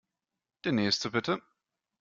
Der Nächste, bitte!